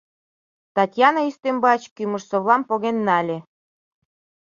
Татьяна ӱстембач кӱмыж-совлам поген нале.